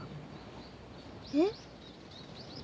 えっ？